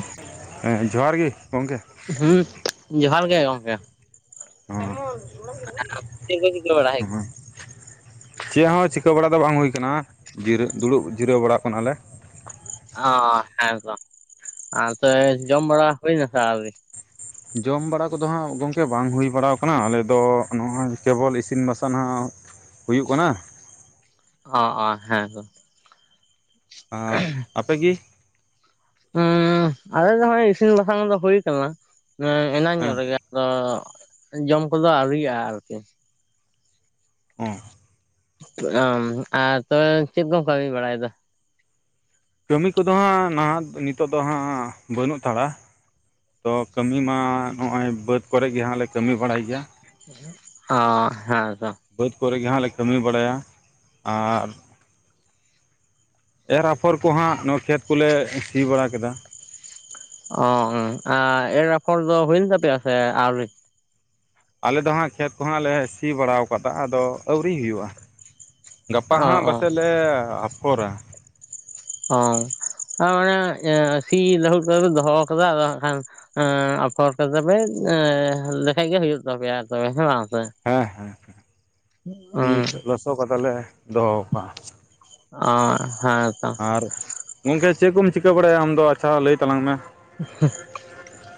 Hello [unintelligible] ᱦᱮᱸ ᱡᱚᱦᱟᱨ ᱜᱮ ᱜᱚᱝᱠᱮ ᱾ ᱦᱩᱸ ᱡᱚᱦᱟᱨ ᱜᱮ ᱜᱚᱝᱠᱮ ᱾ ᱦᱚ [inaudible] ᱟᱫᱚ ᱪᱮᱫ ᱠᱚ ᱪᱤᱠᱟᱹ ᱵᱟᱲᱟ ᱦᱳᱭᱳᱜ ᱠᱟᱱᱟ? ᱪᱮᱫ ᱦᱚᱸ ᱪᱤᱠᱟᱹ ᱵᱟᱲᱟ ᱫᱚ ᱵᱟᱝ ᱦᱩᱭ ᱠᱟᱱᱟ ᱡᱤᱨᱟᱹ ᱫᱩᱲᱩᱵ ᱡᱤᱨᱟᱹᱣ ᱵᱟᱲᱟ ᱠᱟᱱᱟᱞᱮ ᱾ ᱚ ᱦᱮᱸᱛᱚ ᱟ ᱛᱚᱵᱮ ᱡᱚᱢ ᱵᱟᱲᱟ ᱦᱩᱭᱱᱟ ᱥᱮ ᱟᱹᱣᱨᱤ? ᱡᱚᱢ ᱵᱟᱲᱟ ᱠᱚᱫᱚ ᱦᱟᱸᱜ ᱜᱚᱝᱠᱮ ᱵᱟᱝ ᱦᱩᱭ ᱵᱟᱲᱟᱣ ᱠᱟᱱᱟ ᱟᱞᱮ ᱫᱚ ᱱᱚᱜᱼᱚᱭ ᱠᱮᱵᱚᱞ ᱤᱥᱤᱱ ᱵᱟᱥᱟᱝ ᱦᱟᱸᱜ ᱦᱩᱭᱩᱜ ᱠᱟᱱᱟ ᱾ ᱚ ᱚ ᱦᱮᱸ ᱛᱚ ᱾ ᱟᱨ ᱟᱯᱮᱜᱤ ᱦᱚᱸ ᱟᱞᱮ ᱫᱚ ᱱᱜᱚᱭ ᱤᱥᱤᱱ ᱵᱟᱥᱟᱝ ᱫᱚ ᱦᱩᱭ ᱠᱟᱱᱟ ᱾ ᱮᱱᱟᱝ ᱦᱮᱸ ᱧᱚᱜ ᱨᱮᱜᱮ ᱟᱫᱚ ᱡᱚᱢ ᱠᱚᱫᱚ ᱟᱹᱣᱨᱤᱭᱜᱼᱟ ᱟᱨᱠᱤ ᱾ ᱚᱸ ᱾ ᱚ ᱟᱨ ᱛᱚᱵᱮ ᱪᱮᱫ ᱠᱚᱢ ᱠᱟᱹᱢᱤ ᱵᱟᱲᱟᱭᱫᱟ? ᱠᱟᱹᱢᱤ ᱠᱚᱫᱚ ᱦᱟᱸᱜ ᱱᱟᱦᱟᱜ ᱱᱤᱛᱚᱜ ᱫᱚ ᱦᱟᱸᱜ ᱵᱟᱹᱱᱩᱜ ᱦᱟᱛᱟᱲᱟ ᱾ ᱛᱚ ᱠᱟᱹᱢᱤ ᱢᱟ ᱱᱚᱜᱼᱚᱭ ᱵᱟᱹᱫᱽ ᱠᱚᱨᱮ ᱜᱮ ᱦᱟᱸᱜ ᱞᱮ ᱠᱟᱹᱢᱤ ᱵᱟᱲᱟᱭ ᱜᱮᱭᱟ ᱾ ᱚ ᱦᱮᱸ ᱛᱚ ᱾ ᱵᱟᱹᱫᱽ ᱠᱚᱨᱮ ᱜᱮ ᱦᱟᱸᱜ ᱞᱮ ᱠᱟᱹᱢᱤ ᱵᱟᱲᱟᱭᱟ ᱟᱨ ᱮᱨ ᱟᱯᱷᱚᱨ ᱠᱚᱦᱟᱸᱜ ᱱᱚᱣᱟ ᱠᱷᱮᱛ ᱠᱚᱞᱮ ᱥᱤ ᱵᱟᱲᱟ ᱠᱮᱫᱟ ᱾ ᱚ ᱚ ᱮᱨ ᱟᱯᱷᱚᱨ ᱫᱚ ᱦᱩᱭ ᱮᱱ ᱛᱟᱯᱮᱭᱟ ᱥᱮ ᱟᱹᱣᱨᱤ? ᱟᱞᱮ ᱫᱚ ᱦᱟᱸᱜ ᱠᱷᱮᱛ ᱠᱚᱦᱚᱸ ᱞᱮ ᱥᱤ ᱵᱟᱲᱟᱣ ᱠᱟᱫᱟ ᱟᱫᱚ ᱟᱹᱣᱨᱤ ᱦᱩᱭᱩᱜᱼᱟ ᱾ ᱜᱟᱯᱟ ᱚ ᱦᱟᱸᱜ ᱚ ᱵᱟᱥᱮᱜ ᱞᱮ ᱟᱯᱷᱚᱨᱟ ᱾ ᱚ ᱟᱨ ᱢᱟᱱᱮ ᱥᱤ ᱞᱟᱹᱦᱩᱫ ᱠᱟᱛᱮ ᱯᱮ ᱫᱚᱦᱚᱣ ᱠᱟᱫᱟ ᱟᱫᱚ ᱦᱟᱸᱜ ᱠᱷᱟᱱ ᱟᱯᱷᱚᱨ ᱠᱟᱛᱮ ᱯᱮ ᱮᱸ ᱞᱮᱠᱷᱟᱡ ᱜᱮ ᱦᱩᱭᱩᱜ ᱛᱟᱯᱮᱭᱟ ᱛᱚᱵᱮ ᱦᱮᱸ ᱵᱟᱝ ᱥᱮ? ᱦᱮᱸ ᱦᱮᱸ ᱥᱤ ᱦᱩᱸ ᱞᱚᱥᱚᱜ ᱠᱟᱛᱮ ᱞᱮ ᱫᱚᱦᱚ ᱠᱟᱜᱼᱟ ᱾ ᱚ ᱦᱮᱸ ᱛᱚ ᱾ ᱟᱨ ᱜᱚᱝᱠᱮ ᱪᱮᱫ ᱠᱚᱢ ᱪᱤᱠᱟᱹ ᱵᱟᱲᱟᱭᱟ ᱟᱢᱫᱚ ᱟᱪᱪᱷᱟ ᱞᱟᱹᱭ ᱛᱟᱞᱟᱝ ᱢᱮ? [unintelligible]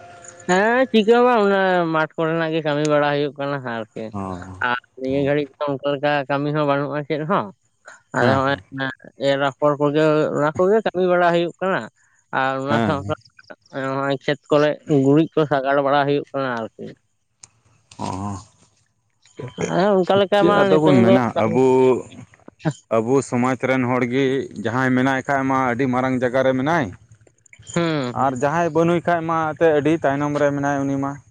ᱦᱮᱸ ᱪᱤᱠᱟᱹ ᱦᱚᱸ ᱵᱟᱝ ᱚᱱᱮ ᱢᱟᱴᱷ ᱠᱚᱨᱮᱱᱟᱜ ᱜᱮ ᱠᱟᱹᱢᱤ ᱵᱟᱲᱟ ᱦᱩᱭᱩᱜ ᱠᱟᱱᱟ᱾ ᱟᱨ ᱚ ᱟᱨ ᱱᱤᱭᱟᱹ ᱦᱮᱸ ᱜᱷᱟᱹᱲᱤᱡ ᱫᱚ ᱚᱱᱠᱟ ᱞᱮᱠᱟ ᱠᱟᱹᱢᱤ ᱦᱚᱸ ᱵᱟᱹᱱᱩᱜᱼᱟ ᱪᱮᱫ ᱦᱚᱸ ᱾ ᱟᱫᱚ ᱦᱮᱸ ᱦᱚᱸᱜᱚᱭ ᱮᱨ ᱟᱯᱷᱚᱨ ᱠᱚᱜᱮ ᱚᱱᱟ ᱠᱚᱜᱮ ᱠᱟᱹᱢᱤ ᱵᱟᱲᱟ ᱦᱩᱭᱩᱜ ᱠᱟᱱᱟ ᱾ ᱟᱨ ᱚᱱᱟ ᱥᱟᱶ ᱦᱮᱸ ᱥᱟᱶᱛᱮ ᱱᱚᱜᱚᱭ ᱠᱷᱮᱛ ᱠᱚᱨᱮ ᱜᱩᱨᱤᱡᱽ ᱠᱚ ᱥᱟᱜᱟᱲ ᱵᱟᱲᱟ ᱦᱩᱭᱩᱜ ᱠᱟᱱᱟ ᱟᱨᱠᱤ ᱾ ᱚ ᱾ ᱦᱮᱸ ᱚᱱᱠᱟ ᱞᱮᱠᱟ ᱪᱮᱫ ᱢᱟ ᱟᱫᱚ ᱵᱚᱱ ᱱᱤᱛᱚᱝ ᱫᱚ ᱢᱮᱱᱟ ᱟᱵᱚ, ᱟᱵᱚ ᱥᱚᱢᱟᱡ ᱨᱮᱱ ᱦᱚᱲ ᱜᱮ ᱡᱟᱦᱟᱸᱭ ᱢᱮᱱᱟᱭ ᱠᱷᱟᱡ ᱢᱟ ᱟᱹᱰᱤ ᱢᱟᱨᱟᱝ ᱡᱟᱜᱟ ᱨᱮ ᱢᱮᱱᱟᱭ ᱦᱩᱸ ᱟᱨ ᱡᱟᱦᱟᱸᱭ ᱵᱟᱹᱱᱩᱭ ᱠᱷᱟᱡ ᱢᱟ ᱮᱛᱮ ᱟᱹᱰᱤ ᱛᱟᱭᱱᱚᱢ ᱨᱮ ᱢᱮᱱᱟᱭ ᱩᱱᱤ ᱢᱟ ᱾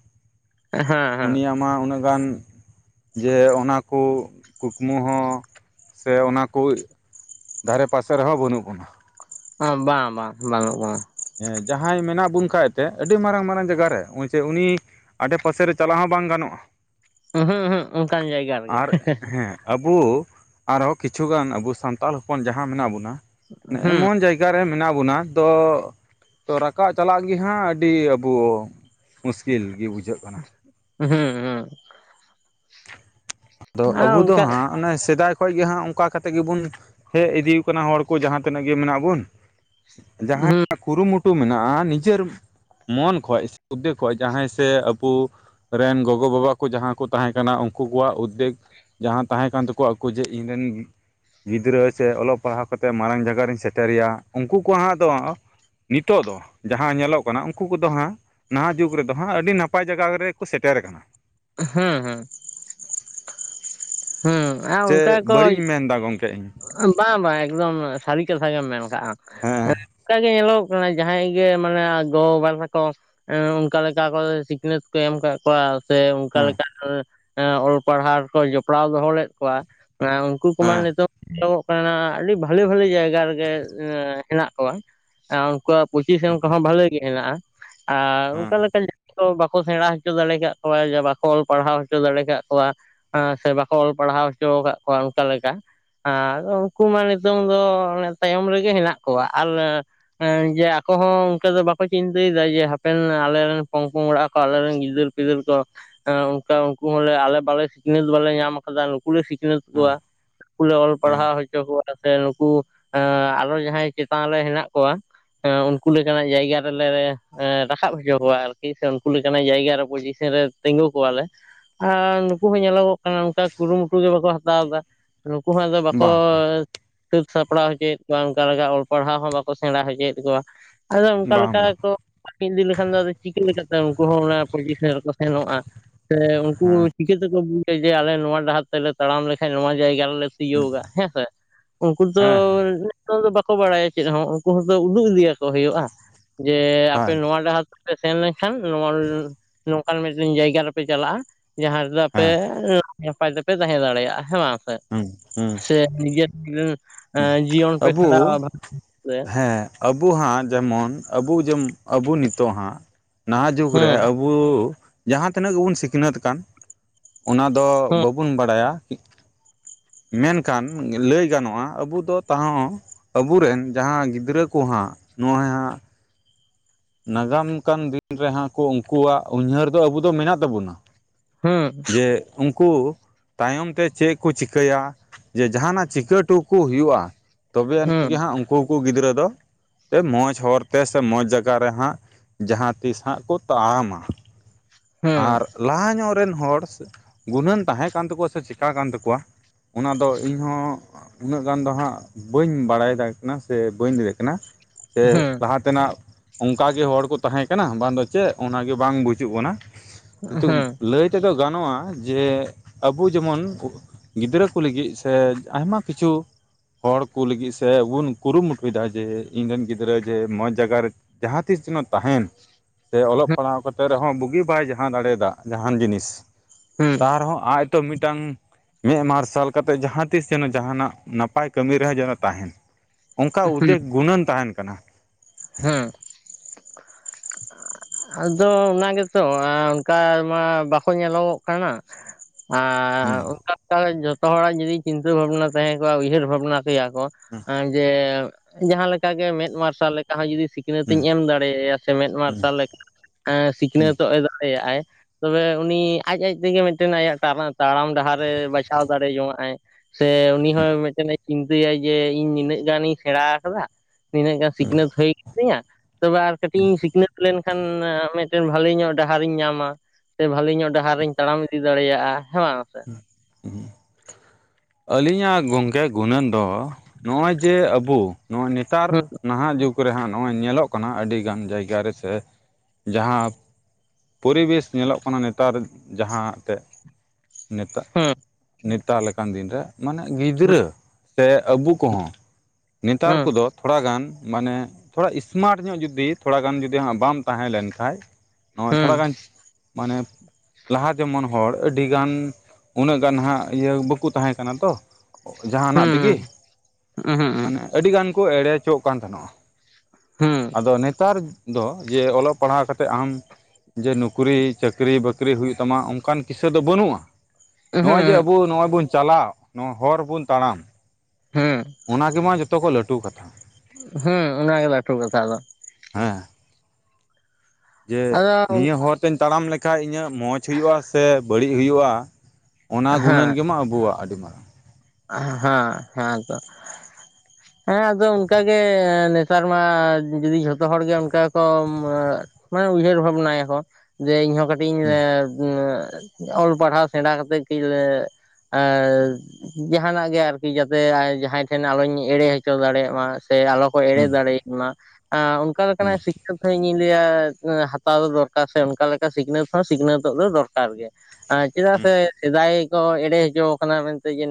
ᱦᱮᱸ ᱩᱱᱤᱭᱟᱜ ᱢᱟ ᱩᱱᱟᱹᱜ ᱜᱟᱱ ᱡᱮ ᱚᱱᱟ ᱠᱚ ᱠᱩᱠᱢᱩ ᱦᱚᱸ ᱥᱮ ᱚᱱᱟ ᱠᱚ ᱫᱷᱟᱨᱮ ᱯᱟᱥᱮ ᱨᱮᱦᱚᱸ ᱵᱟᱹᱱᱩᱜ ᱰᱚᱱᱟ ᱾ ᱵᱟᱝ ᱵᱟᱝ ᱵᱟᱱᱩᱜ ᱵᱚᱱᱟ ᱾ ᱮᱸ ᱡᱟᱦᱟᱸᱭ ᱢᱮᱱᱟᱜ ᱵᱚᱱ ᱠᱷᱟᱡ ᱮᱱᱛᱮ ᱟᱹᱰᱤ ᱢᱟᱨᱟᱝ ᱢᱟᱨᱟᱝ ᱡᱟᱭᱜᱟ ᱨᱮ ᱪᱮᱫ ᱩᱱᱤ ᱟᱰᱮ ᱯᱟᱥᱮ ᱨᱮ ᱪᱟᱞᱟᱜ ᱦᱚᱸ ᱵᱟᱝ ᱜᱟᱱᱚᱜ-ᱟ᱾ ᱩᱦᱩᱜ ᱩᱦᱩᱜ ᱚᱱᱠᱟᱱ ᱡᱟᱭᱜᱟ ᱨᱮᱜᱮ, ᱟᱵᱩ ᱟᱨᱦᱚᱸ ᱠᱤᱪᱷᱩᱜᱟᱱ ᱟᱵᱚ ᱥᱟᱱᱛᱟᱲ ᱦᱚᱯᱚᱱ ᱡᱟᱦᱟᱸ ᱢᱮᱱᱟᱜ ᱵᱚᱱᱟ ᱢᱟᱱᱮ ᱦᱩᱸ ᱮᱢᱚᱱ ᱡᱟᱭᱜᱟ ᱨᱮ ᱢᱮᱱᱟᱜ ᱵᱚᱱᱟ ᱫᱚ ᱛᱚ ᱨᱟᱠᱟᱵ ᱪᱟᱞᱟᱜ ᱜᱤ ᱦᱟᱸᱜ ᱟᱹᱰᱤ ᱟᱵᱚ ᱢᱩᱥᱠᱤᱞ ᱜᱮ ᱵᱩᱡᱷᱟᱹᱜ ᱠᱟᱱᱟ᱾ ᱦᱩᱸ, ᱦᱩᱸ ᱟᱫᱚ ᱟᱨ ᱟᱵᱚ ᱫᱚ ᱚᱱᱠᱟ ᱦᱟᱸᱜ ᱚᱱᱮ ᱥᱮᱫᱟᱭ ᱠᱷᱚᱡ ᱜᱮ ᱦᱟᱸᱜ ᱚᱱᱠᱟ ᱠᱟᱛᱮ ᱜᱮᱵᱚᱱ ᱦᱮᱡ ᱤᱫᱤ ᱟᱠᱟᱱᱟ ᱦᱚᱲ ᱠᱚ ᱡᱟᱦᱟᱸ ᱛᱤᱱᱟᱹᱜ ᱜᱮ ᱢᱮᱱᱟᱜ ᱵᱚᱱ, ᱦᱩᱸ ᱡᱟᱦᱟᱸᱭᱟᱜ ᱠᱩᱨᱩᱢᱩᱴᱩ ᱢᱮᱱᱟᱜ-ᱟ ᱱᱤᱡᱮᱨ ᱢᱚᱱ ᱠᱷᱚᱡ ᱥᱮ [unintelligible] ᱠᱷᱚᱱ ᱡᱟᱦᱟᱸᱭ ᱥᱮ ᱟᱵᱚ ᱨᱮᱱ ᱜᱚᱜᱚ ᱵᱟᱵᱟ ᱠᱚ ᱡᱟᱦᱟᱸ ᱠᱚ ᱛᱟᱦᱮᱸ ᱠᱟᱱᱟ ᱩᱱᱠᱩ ᱠᱚᱣᱟᱜ ᱩᱫᱫᱮᱜ ᱡᱟᱦᱟᱸ ᱛᱟᱦᱮᱸ ᱠᱟᱱ ᱛᱟᱠᱚᱣᱟ ᱟᱠᱚ ᱡᱮ ᱤᱧ ᱨᱮᱱ ᱜᱤᱫᱽᱨᱟᱹ ᱥᱮ ᱚᱞᱚᱜ ᱯᱟᱲᱦᱟᱣ ᱠᱟᱛᱮᱫ ᱢᱟᱨᱟᱝ ᱡᱟᱭᱜᱟ ᱨᱤᱧ ᱥᱮᱴᱨᱮᱭᱟ ᱩᱱᱠᱩ ᱠᱚ ᱦᱟᱸᱜ ᱫᱚ ᱱᱤᱛᱚᱜ ᱫᱚ ᱡᱟᱦᱟᱸ ᱧᱮᱞᱚᱜ ᱠᱟᱱᱟ ᱩᱱᱠᱩ ᱠᱚᱫᱚ ᱦᱟᱸᱜ ᱱᱟᱦᱟᱜ ᱡᱩᱜᱽ ᱨᱮᱫᱚ ᱦᱟᱸᱜ ᱟᱹᱰᱤ ᱱᱟᱯᱟᱭ ᱡᱟᱭᱜᱟ ᱨᱮᱠᱚ ᱥᱮᱴᱮᱨ ᱟᱠᱟᱱᱟ᱾ ᱦᱩᱸ ᱦᱩᱸ ᱦᱮᱸ ᱪᱮ ᱵᱟᱹᱲᱤᱡ ᱤᱧ ᱢᱮᱱᱫᱟ ᱜᱚᱢᱠᱮ? ᱵᱟᱝ ᱵᱟᱝ ᱮᱠᱫᱚᱢ ᱥᱟᱹᱨᱤ ᱠᱟᱛᱷᱟ ᱜᱮᱢ ᱢᱮᱱ ᱠᱟᱜᱼᱟ ᱦᱮᱸ ᱱᱚᱝᱠᱟ ᱜᱮ ᱧᱮᱞᱚᱜ ᱠᱟᱱᱟ ᱡᱟᱦᱟᱸᱭ ᱜᱮ ᱢᱟᱱᱮ ᱜᱚ ᱵᱟᱵᱟ ᱛᱟᱠᱚᱼᱼ ᱚᱱᱠᱟ ᱞᱮᱠᱟ ᱟᱠᱚ ᱥᱤᱠᱷᱱᱟᱹᱛ ᱠᱚ ᱮᱢ ᱠᱟᱫ ᱠᱚᱣᱟ᱾ ᱥᱮ ᱚᱱᱠᱟ ᱦᱮᱸ ᱞᱮᱠᱟ ᱚᱞ ᱯᱟᱲᱦᱟᱣ ᱨᱮᱠᱚ ᱡᱚᱯᱲᱟᱣ ᱫᱚᱦᱚ ᱞᱮᱫ ᱠᱚᱣᱟ ᱢᱟᱱᱮ ᱩᱱᱠᱩ ᱠᱚᱢᱟ ᱦᱮᱸ ᱱᱤᱛᱚᱜᱼᱼ ᱴᱚᱜᱚᱜ ᱠᱟᱱᱟ ᱟᱹᱰᱤ ᱵᱷᱟᱞᱤ ᱵᱷᱟᱞᱤ ᱡᱟᱭᱜᱟ ᱨᱮᱜᱮ ᱦᱮᱱᱟᱜ ᱠᱚᱣᱟ᱾ ᱩᱱᱠᱩᱣᱟᱜ ᱯᱚᱸᱪᱤᱥᱚᱱ ᱠᱚᱦᱚᱸ ᱵᱷᱟᱞᱤ ᱜᱮ ᱦᱮᱱᱟᱜᱼᱟ ᱟᱨ ᱦᱮᱸ ᱚᱱᱠᱟ ᱞᱮᱠᱟᱼᱼ ᱵᱟᱠᱚ ᱥᱮᱬᱟ ᱦᱚᱪᱚ ᱫᱟᱲᱮ ᱟᱠᱟᱫ ᱠᱚᱣᱟ ᱡᱟ ᱵᱟᱠᱚ ᱚᱞ ᱯᱟᱲᱦᱟᱣ ᱦᱚᱪᱚ ᱫᱟᱲᱮ ᱟᱠᱟᱫ ᱠᱚᱣᱟ, ᱦᱮᱸ ᱥᱮ ᱵᱟᱠᱚ ᱚᱞ ᱯᱟᱲᱦᱟᱣ ᱦᱚᱪᱚ ᱟᱠᱟᱫ ᱠᱚᱣᱟ ᱚᱱᱠᱟ ᱞᱮᱠᱟ ᱟᱨ ᱩᱱᱠᱩ ᱢᱟ ᱱᱤᱛᱚᱝ ᱫᱚ ᱚᱱᱮ ᱛᱟᱭᱚᱢ ᱨᱮᱜᱮ ᱦᱮᱱᱟᱜ ᱠᱚᱣᱟ ᱟᱨᱼᱼ ᱦᱮᱸ ᱡᱮ ᱟᱠᱚ ᱦᱚᱸ ᱚᱱᱠᱟ ᱫᱚ ᱵᱟᱠᱚ ᱪᱤᱱᱛᱟᱹᱭᱮᱫᱟ ᱡᱮ ᱦᱟᱯᱮᱱ ᱟᱞᱮ ᱨᱮᱱ ᱯᱚᱝ ᱯᱚᱝᱲᱟ ᱠᱚ, ᱟᱞᱮ ᱨᱮᱱ ᱜᱤᱫᱽᱟᱹᱨ, ᱯᱤᱫᱽᱨᱟᱹ ᱠᱚ ᱚᱱᱠᱟ ᱩᱱᱠᱩ ᱦᱚᱸᱞᱮ ᱟᱞᱮ ᱵᱟᱞᱮ ᱥᱤᱠᱷᱱᱟᱹᱛ ᱵᱟᱞᱮ ᱧᱟᱢ ᱟᱠᱟᱫᱟ ᱱᱩᱠᱩ ᱞᱮ ᱥᱤᱠᱷᱱᱟᱹᱛ ᱦᱮᱸ ᱠᱚᱣᱟ᱾ ᱱᱩᱠᱩ ᱞᱮ ᱚᱞ ᱦᱮᱸ ᱯᱟᱲᱦᱟᱣ ᱦᱚᱪᱚ ᱠᱚᱣᱟ ᱥᱮ ᱱᱩᱠᱩ ᱟᱨᱚ ᱡᱟᱦᱟᱸᱭ ᱪᱮᱛᱟᱱᱨᱮ ᱦᱮᱱᱟᱜ ᱠᱚᱣᱟ᱾ ᱩᱱᱠᱩ ᱞᱮᱠᱟᱱᱟᱜ ᱡᱟᱭᱜᱟ ᱨᱮᱞᱮ ᱨᱟᱠᱟᱵ ᱦᱚᱪᱚ ᱠᱚᱣᱟ ᱟᱨᱠᱤ ᱥᱮ ᱩᱱᱠᱩ ᱞᱮᱠᱟᱱᱟᱜ ᱡᱟᱭᱜᱟ ᱨᱮ ᱯᱚᱡᱤᱥᱮᱱ ᱨᱮᱼᱼ ᱛᱤᱸᱜᱩ ᱠᱚᱣᱟᱞᱮ ᱟᱨ ᱱᱩᱠᱩ ᱦᱚᱸ ᱧᱮᱞᱚᱜᱚᱜ ᱠᱟᱱᱟ ᱱᱚᱝᱠᱟ ᱠᱩᱨᱩ ᱢᱩᱴᱩ ᱜᱮ ᱵᱟᱠᱚ ᱦᱟᱛᱟᱣ ᱮᱫᱟ ᱱᱩᱠᱩ ᱦᱚᱸ ᱟᱫᱚ ᱵᱟᱠᱚᱼᱼ ᱵᱟᱝ ᱵᱟᱝ ᱥᱟᱹᱛ ᱥᱟᱯᱲᱟᱣ ᱦᱚᱪᱚᱭᱮᱫ ᱠᱚᱣᱟ ᱚᱱᱠᱟ ᱞᱮᱠᱟ ᱚᱞ ᱯᱟᱲᱦᱟᱣ ᱦᱚᱸ ᱵᱟᱠᱚ ᱥᱮᱬᱟ ᱦᱚᱪᱚᱭᱮᱫ ᱠᱚᱣᱟ ᱟᱫᱚ ᱚᱱᱠᱟ ᱵᱟᱝ ᱞᱮᱠᱟ ᱵᱟᱝ ᱠᱚᱼᱼ ᱤᱫᱤ ᱞᱮᱠᱷᱟᱱ ᱫᱚ ᱟᱫᱚ ᱪᱤᱠᱟᱹ ᱞᱮᱠᱟᱛᱮ ᱩᱱᱠᱩ ᱦᱚᱸ ᱚᱱᱟ ᱯᱚᱡᱤᱥᱮᱱ ᱨᱮᱠᱚ ᱥᱮᱱᱚᱜ-ᱟ ᱥᱮ ᱩᱱᱠᱩ, ᱦᱮᱸ ᱪᱤᱠᱟᱹᱛᱮᱠᱚ ᱵᱩᱡᱟ ᱡᱮ ᱟᱞᱮ ᱱᱚᱣᱟ ᱰᱟᱦᱟᱨ ᱛᱮᱞᱮ ᱛᱟᱲᱟᱢ ᱞᱮᱠᱷᱟᱱ ᱱᱚᱣᱟ ᱡᱟᱭᱜᱟ ᱨᱮᱼᱼ ᱞᱮ ᱥᱤᱭᱳᱜᱟ ᱦᱮᱸᱥᱮ ᱩᱱᱠᱩ ᱫᱚ ᱦᱮᱸ ᱱᱤᱛ ᱫᱚᱼᱼ ᱵᱟᱠᱚ ᱵᱟᱲᱟᱭᱟ ᱪᱮᱫ ᱦᱚᱸ ᱩᱱᱠᱩ ᱦᱚᱸᱛᱚ ᱩᱫᱩᱜ ᱤᱫᱤᱭᱟᱠᱚ ᱦᱩᱭᱩᱜᱼᱟ ᱡᱮ ᱟᱯᱮ ᱦᱮᱸ ᱱᱚᱣᱟ ᱰᱟᱦᱟᱨᱼᱼ ᱛᱮᱯᱮ ᱥᱮᱱ ᱞᱮᱱᱠᱷᱟᱱ ᱱᱚᱣᱟ ᱱᱚᱝᱠᱟᱱ ᱢᱤᱫᱴᱮᱱ ᱡᱟᱭᱜᱟ ᱨᱮᱯᱮ ᱪᱟᱞᱟᱜᱼᱟ᱾ ᱡᱟᱦᱟᱸ ᱦᱤᱞᱚᱜ ᱟᱯᱮ ᱦᱮᱸ ᱱᱟᱯᱟᱭ ᱛᱮᱯᱮ ᱛᱟᱦᱮᱸ ᱫᱟᱲᱮᱭᱟᱜ-ᱟ ᱦᱮᱸ ᱵᱟᱝ ᱥᱮᱼᱼ ᱦᱩᱸ ᱦᱩᱸ ᱥᱮ ᱱᱤᱡᱮᱨ ᱦᱩᱸ ᱡᱤᱭᱚᱱ ᱯᱮ ᱟᱵᱚ ᱠᱷᱟᱸᱰᱟᱣᱟ ᱵᱷᱟᱜᱤᱼᱼ ᱦᱮᱸ ᱟᱵᱚ ᱦᱟᱸᱜ ᱡᱮᱢᱚᱱ ᱟᱵᱚ ᱡᱮᱢ ᱟᱵᱚ ᱱᱤᱛᱚᱜ ᱦᱟᱸᱜ ᱱᱟᱦᱟᱜ ᱡᱩᱜᱽ ᱨᱮᱼᱼ ᱦᱮᱸ ᱟᱵᱚ ᱡᱟᱦᱟᱸ ᱛᱤᱱᱟᱹᱜ ᱜᱮᱵᱚᱱ ᱥᱤᱠᱷᱱᱟᱹᱛ ᱟᱠᱟᱱᱼᱼ ᱚᱱᱟ ᱫᱚ ᱦᱮᱸ ᱵᱟᱵᱚᱱ ᱵᱟᱰᱟᱭᱟ᱾ ᱢᱮᱱᱠᱷᱟᱱ ᱞᱟᱹᱭ ᱜᱟᱱᱚᱜᱼᱟ ᱟᱵᱚ ᱫᱚ ᱛᱟᱦᱚᱸ ᱟᱵᱚᱨᱮᱱ ᱡᱟᱦᱟᱸ ᱜᱤᱫᱽᱨᱟᱹ ᱠᱚ ᱦᱟᱸᱜ ᱱᱚᱜ-ᱚᱭ ᱦᱟᱸᱜᱼᱼ ᱱᱟᱜᱟᱢ ᱠᱟᱱ ᱫᱤᱱ ᱨᱮᱦᱟᱸ ᱠᱚ ᱩᱱᱠᱩᱣᱟᱜ ᱩᱭᱦᱟᱹᱨ ᱫᱚ ᱟᱵᱚ ᱫᱚ ᱢᱮᱱᱟᱜ ᱛᱟᱵᱚᱱᱟ, ᱦᱮᱸ ᱡᱮ ᱩᱱᱠᱩ ᱛᱟᱭᱚᱢ ᱛᱮ ᱪᱮᱫ ᱠᱚ ᱪᱤᱠᱟᱹᱭᱟ ᱡᱮ ᱡᱟᱦᱟᱱᱟᱜ ᱪᱤᱠᱟᱹᱴᱩ ᱠᱚ ᱦᱩᱭᱩᱜᱼᱟ᱾ ᱛᱚᱵᱮ ᱟᱹᱱᱤᱡᱽ ᱦᱮᱸ ᱜᱮ ᱦᱟᱸᱜ ᱩᱱᱠᱩ ᱠᱚ ᱜᱤᱫᱽᱨᱟᱹ ᱫᱚ ᱛᱮ ᱢᱚᱸᱡᱽ ᱦᱚᱨᱛᱮ ᱥᱮ ᱢᱚᱸᱡᱽ ᱡᱟᱼᱼ ᱟᱠᱟ ᱨᱮ ᱦᱟᱸᱜ ᱡᱟᱦᱟᱸ ᱛᱤᱥ ᱦᱟᱸᱜ ᱠᱚ ᱛᱟᱲᱟᱢᱟ ᱦᱮᱸ ᱟᱨ ᱞᱟᱦᱟ ᱧᱚᱜ ᱨᱮᱱ ᱦᱚᱲ ᱜᱩᱱᱟᱹᱱ ᱛᱟᱦᱮᱸ ᱠᱟᱱ ᱛᱟᱠᱚᱣᱟ ᱥᱮ ᱪᱮᱠᱟ ᱠᱟᱱ ᱛᱟᱠᱚᱣᱟ᱾ ᱚᱱᱟ ᱫᱚ ᱤᱧ ᱦᱚᱸᱼᱼ ᱩᱱᱟᱹᱜ ᱜᱟᱱ ᱫᱚ ᱦᱟᱸᱜ ᱵᱟᱹᱧ ᱵᱟᱲᱟᱭ ᱫᱟᱲᱮ ᱠᱟᱱᱟ ᱥᱮ ᱵᱟᱹᱧ ᱞᱟᱹᱭᱮ ᱠᱟᱱᱟ᱾ ᱥᱮ ᱦᱮᱸ ᱞᱟᱦᱟ ᱛᱮᱱᱟᱜ ᱚᱱᱠᱟ ᱜᱮ ᱦᱚᱲ ᱠᱚ ᱛᱟᱦᱮᱸ ᱠᱟᱱᱟ ᱵᱟᱝ ᱫᱚ ᱪᱮᱫ ᱚᱱᱟ ᱜᱮ ᱵᱟᱝ ᱵᱩᱡᱩᱜ ᱠᱟᱱᱟ? ᱠᱤᱱᱛᱩ ᱦᱮᱸ ᱞᱟᱹᱭ ᱛᱮᱫᱚ ᱜᱟᱱᱚᱜᱼᱟ ᱡᱮ ᱟᱵᱚ ᱡᱮᱢᱚᱱᱼᱼ ᱜᱤᱫᱽᱨᱟᱹ ᱠᱚ ᱞᱟᱹᱜᱤᱫ ᱥᱮ ᱟᱭᱢᱟ ᱠᱤᱪᱷᱩᱼᱼ ᱦᱚᱲ ᱠᱚ ᱞᱟᱹᱜᱤᱫ ᱥᱮ ᱵᱚᱱ ᱠᱩᱨᱩᱢᱩᱴᱩᱭᱮᱫᱟ ᱡᱮ ᱤᱧᱨᱮᱱ ᱜᱤᱫᱽᱨᱟᱹ ᱡᱮ ᱢᱚᱸᱡᱽ ᱡᱟᱭᱟᱨ ᱨᱮᱼᱼ ᱡᱟᱦᱟᱸ ᱛᱤᱥ ᱡᱮᱱᱚ ᱛᱟᱦᱮᱱᱼᱼ ᱥᱮ ᱚᱞᱚᱜ ᱦᱮᱸ ᱯᱟᱲᱦᱟᱣ ᱠᱟᱛᱮ ᱨᱮᱦᱚᱸ ᱵᱩᱜᱤ ᱵᱟᱭ ᱡᱟᱦᱟᱸ ᱫᱟᱲᱮᱭᱟᱫᱟ ᱡᱟᱦᱟᱱ ᱡᱤᱱᱤᱥ ᱦᱮᱸ ᱛᱟᱸ ᱨᱮᱦᱚᱸ ᱟᱡᱼᱼ ᱛᱚ ᱢᱤᱫ ᱴᱟᱝ, ᱢᱮᱜ ᱢᱟᱨᱥᱟᱞ ᱠᱟᱛᱮ ᱡᱟᱦᱟᱸ ᱛᱤᱥ ᱡᱮᱱᱚ ᱡᱟᱦᱟ ᱱᱟᱜ ᱱᱟᱯᱟᱭ ᱠᱟᱹᱢᱤ ᱨᱮᱦᱚᱸ ᱡᱮᱱᱚ ᱛᱟᱦᱮᱱ ᱚᱱᱠᱟ ᱩᱫᱮᱠ ᱜᱩᱱᱟᱹᱱ ᱛᱟᱦᱮᱱ ᱠᱟᱱᱟ᱾ ᱦᱮᱸ᱾ ᱟᱫᱚ ᱚᱱᱟ ᱜᱮᱛᱚ? ᱟᱸ ᱚᱱᱠᱟ ᱢᱟ, ᱵᱟᱠᱚ ᱧᱮᱞᱚᱜᱚᱜ ᱠᱟᱱᱟ ᱾ ᱟᱻ ᱦᱩᱸ ᱚᱱᱠᱟ ᱛᱟᱦᱞᱮ ᱡᱚᱛᱚ ᱦᱚᱲᱟᱜ, ᱡᱩᱫᱤ? ᱪᱤᱱᱛᱟᱹ ᱵᱷᱟᱵᱱᱟ ᱛᱟᱦᱮᱸ ᱠᱚᱜᱼᱟ ᱾ ᱩᱭᱦᱟᱹᱨ ᱵᱷᱟᱵᱱᱟ ᱛᱮᱭᱟ ᱠᱚ, ᱦᱩᱸ ᱮᱸ, ᱡᱮ ᱡᱟᱦᱟᱸ ᱞᱮᱠᱟ ᱜᱮ, ᱢᱮᱫ ᱢᱟᱨᱥᱟᱞ ᱞᱮᱠᱟ ᱦᱚᱸ ᱡᱩᱫᱤ? ᱥᱤᱠᱷᱱᱟᱹᱛ ᱦᱩᱸ ᱤᱧ ᱮᱢ ᱫᱟᱲᱮᱭᱟᱭᱟ ᱥᱮ ᱾ ᱢᱮᱸᱫ ᱦᱩᱸ ᱢᱟᱨᱥᱟᱞ ᱞᱮᱠᱟ, ᱦᱩᱸ ᱥᱤᱠᱷᱱᱟᱹᱛᱚᱜ, ᱮᱼᱫᱟᱲᱮᱭᱟᱜᱼᱟᱭ ᱾ ᱛᱚᱵᱮ ᱩᱱᱤ, ᱟᱡ ᱟᱡ ᱛᱮᱜᱮ, ᱢᱤᱫᱴᱮᱱ ᱟᱭᱟᱜ [unintelligible] ᱛᱟᱲᱟᱢ ᱰᱟᱦᱟᱨᱮ, ᱵᱟᱪᱷᱟᱣ ᱫᱟᱲᱮ ᱡᱚᱢᱼᱢᱟᱜᱼᱟᱭ ᱾ ᱥᱮ, ᱩᱱᱤ ᱦᱚᱸ ᱢᱤᱫᱴᱮ ᱱᱮ ᱪᱤᱱᱛᱟᱹᱭᱟᱭ, ᱡᱮ, ᱤᱧ ᱱᱤᱱᱟᱹᱜ ᱜᱟᱱᱤᱧ ᱥᱮᱬᱟ ᱟᱠᱟᱫᱟ ᱾ ᱱᱤᱱᱟᱹᱜ ᱜᱟᱱ, ᱦᱩᱸ ᱥᱤᱠᱷᱱᱟᱹᱛ ᱦᱩᱭ ᱟᱠᱟᱱ ᱛᱤᱧᱟᱹ ᱾ ᱛᱚᱵᱮ ᱟᱨ, ᱠᱟᱹᱴᱤᱡ ᱤᱧ ᱥᱤᱠᱷᱱᱟᱹᱛ ᱞᱮᱱ ᱠᱷᱟᱱ, ᱢᱤᱫᱴᱮᱱ ᱵᱷᱟᱞᱤ ᱧᱚᱜ, ᱰᱟᱦᱟᱨ ᱤᱧ ᱧᱟᱢᱟ ᱾ ᱥᱮ ᱵᱷᱟᱹᱞᱤ ᱧᱚᱜ, ᱰᱟᱦᱟᱨ ᱤᱧ ᱛᱟᱲᱟᱢ ᱤᱫᱤ ᱫᱟᱲᱮᱭᱟᱜᱼᱟ ᱾ᱦᱮᱸ ᱵᱟᱝ ᱥᱮ? [unintelligible] ᱟᱹᱞᱤᱧᱟᱜ ᱜᱚᱝᱠᱮ, ᱜᱩᱱᱟᱹᱱ ᱫᱚ, ᱱᱚᱜᱼᱚᱭ, ᱡᱮ, ᱟᱵᱩ ᱱᱚᱜᱼᱚᱭ ᱱᱮᱛᱟᱨ ᱦᱩᱸ ᱱᱟᱦᱟᱜ ᱡᱩᱜᱽ ᱠᱚᱨᱮ ᱦᱟᱸᱜ, ᱱᱚᱜᱼᱚᱭ ᱧᱮᱞᱚᱜ ᱠᱟᱱᱟ ᱾ ᱟᱹᱰᱤ ᱜᱟᱱ, ᱡᱟᱭᱜᱟ ᱨᱮ ᱥᱮ ᱡᱟᱦᱟᱸ ᱯᱚᱨᱤᱵᱮᱥ ᱧᱮᱞᱚᱜ ᱠᱟᱱᱟ ᱾ ᱱᱮᱛᱟᱨ ᱡᱟᱦᱟᱸ ᱛᱮ, ᱱᱮᱛᱟᱜ ᱾ ᱦᱮᱸ [unintelligible] ᱱᱮᱛᱟᱜ ᱞᱮᱠᱟᱱ ᱫᱤᱱᱨᱮ, ᱢᱟᱱᱮ, ᱜᱤᱫᱽᱨᱟᱹ ᱥᱮ, ᱟᱵᱩ ᱠᱚᱸᱦᱚᱸ ᱱᱮᱛᱟᱨ ᱠᱟᱫᱚ ᱛᱷᱚᱲᱟ ᱜᱟᱱ, ᱢᱟᱱᱮ, ᱛᱷᱚᱲᱟ ᱤᱥᱢᱟᱴ ᱧᱚᱜ ᱡᱩᱫᱤ, ᱛᱷᱚᱲᱟ ᱜᱟᱱ ᱡᱩᱫᱤ ᱦᱟᱸᱜ ᱵᱟᱢ ᱛᱟᱦᱮᱸ ᱞᱮᱱ ᱠᱷᱟᱡᱽ, ᱱᱚᱜᱼᱚᱭ ᱦᱩᱸ ᱛᱷᱚᱲᱟ ᱜᱟᱱ, ᱢᱟᱱᱮ, ᱞᱟᱦᱟ ᱡᱮᱢᱚᱱ ᱦᱚᱲ, ᱟᱹᱰᱤ ᱜᱟᱱ ᱩᱱᱟᱹᱜ ᱜᱟᱱ ᱦᱟᱸᱜ, ᱤᱭᱟᱹ ᱵᱟᱹᱠᱩ ᱛᱟᱦᱮᱸ ᱠᱟᱱᱟ ᱛᱚ ᱾ ᱡᱟᱦᱟᱱᱟᱜ ᱛᱤᱜᱮ, ᱦᱩᱸ ᱦᱩᱸ ᱦᱩᱸ ᱢᱟᱱᱮ, ᱟᱹᱰᱤ ᱜᱟᱱ ᱠᱚ, ᱮᱲᱮ ᱪᱚᱜ ᱠᱟᱱ ᱛᱟᱦᱮᱱᱚᱜ ᱦᱩᱸ ᱾ ᱟᱫᱚ ᱱᱤᱛ ᱱᱮᱛᱟᱨ ᱫᱚ, ᱡᱮ, ᱚᱞᱚᱜ ᱯᱟᱲᱦᱟᱣ ᱠᱟᱛᱮ, ᱟᱢ ᱡᱮ ᱱᱩᱠᱨᱤ, ᱪᱟᱹᱠᱨᱤ ᱵᱟᱹᱠᱨᱤ, ᱦᱩᱭᱩᱜ ᱛᱟᱢᱟ, ᱚᱱᱠᱟᱱ ᱠᱤᱥᱟᱹ ᱫᱚ ᱵᱟᱹᱱᱩᱜᱼᱟ? ᱱᱚᱜᱼᱚᱭ, ᱡᱮ ᱩᱸᱦᱩᱸᱜ ᱟᱵᱩ ᱱᱚᱣᱟ ᱵᱩᱱ ᱪᱟᱞᱟᱜ, ᱱᱚᱣᱟ ᱦᱚᱨ ᱵᱩᱱ ᱛᱟᱲᱟᱢ, ᱦᱩᱸ ᱚᱱᱟ ᱜᱮᱢᱟ ᱡᱮ ᱛᱚ, ᱠᱚ ᱞᱟᱹᱴᱩ ᱠᱟᱛᱷᱟ‌ ᱾ ᱦᱮᱸ, ᱚᱱᱟ ᱜᱮ ᱞᱟᱹᱴᱩ ᱠᱟᱛᱷᱟ ᱫᱚ ᱾ ᱦᱮᱸ ᱾ ᱡᱮ, ᱟᱫᱚ ᱱᱤᱭᱟᱹ ᱦᱚᱨ ᱛᱮᱧ ᱛᱟᱲᱟᱢ ᱞᱮᱠᱷᱟᱡ, ᱤᱧᱟᱹᱜ ᱢᱚᱸᱡᱽ ᱦᱩᱭᱩᱜᱼᱟ ᱥᱮ ᱵᱟᱹᱲᱤᱡ ᱦᱩᱭᱩᱜᱼᱟ ᱾ ᱚᱱᱟ ᱜᱩᱱᱟᱹᱱ ᱜᱮᱢᱟ, ᱟᱵᱩᱣᱟᱜ ᱟᱹᱰᱤ ᱢᱟᱨᱟᱝ ᱾ ᱮᱸᱼ ᱦᱮᱸ, ᱦᱮᱸ ᱛᱚ ᱾ ᱦᱮᱸᱼᱟᱫᱚ, ᱚᱱᱠᱟ ᱜᱮ ᱱᱮᱛᱟᱨ ᱢᱟ, ᱡᱩᱫᱤ ᱡᱷᱚᱛᱚ ᱦᱚᱲ ᱜᱮ, ᱚᱱᱠᱟ ᱠᱚ ᱢᱟᱱᱮ, ᱩᱭᱦᱟᱹᱨ ᱵᱷᱟᱵᱱᱟᱭ ᱟᱠᱚ ᱾ ᱡᱮ ᱤᱧ ᱦᱚᱸ ᱠᱟᱴᱤᱡ ᱤᱧ ᱤ ᱦᱩᱸ ᱧᱼ ᱟ ᱚᱞ ᱯᱟᱲᱦᱟᱣ ᱥᱮᱬᱟ ᱠᱟᱛᱮ, ᱮᱸᱼ ᱡᱟᱦᱟᱱᱟᱜ ᱜᱮ, ᱟᱨᱠᱤ ᱡᱟᱛᱮ, ᱡᱟᱦᱟᱸᱭ ᱴᱷᱮᱱ, ᱟᱞᱚᱧ ᱮᱲᱮ ᱦᱚᱪᱚ ᱫᱟᱲᱮᱭᱟᱜ ᱢᱟ ᱾ ᱥᱮ ᱟᱞᱚ ᱠᱚ ᱮᱲᱮ ᱦᱩᱸ ᱫᱟᱲᱮᱭᱟᱧ ᱢᱟ ᱾ ᱚᱱᱠᱟ ᱦᱩᱸ ᱞᱮᱠᱟᱱᱟᱜ ᱥᱤ ᱤᱼᱧᱤᱧ ᱞᱟᱹᱭᱟ, ᱦᱟᱛᱟᱣ ᱫᱚᱨᱠᱟᱨ ᱥᱮ, ᱚᱱᱠᱟ ᱞᱮᱠᱟ ᱥᱤᱠᱷᱱᱟᱹᱛ ᱦᱚᱸ, ᱥᱤᱠᱷᱱᱟᱹᱛᱚᱜ ᱫᱚ ᱫᱚᱨᱠᱟᱨ ᱜᱮ ᱾ ᱪᱮᱫᱟᱜ ᱦᱩᱸ ᱥᱮ ᱥᱮᱫᱟᱭ ᱠᱚ, ᱮᱲᱮ ᱦᱚᱪᱚ ᱟᱠᱟᱱᱟ ᱢᱮᱱᱛᱮ? ᱜᱮ